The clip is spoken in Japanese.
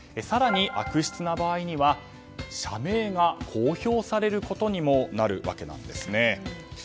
更に悪質な場合には社名が公表されることにもなるわけなんですね。